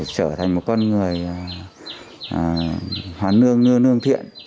trở thành một con người hoán nương nương thiện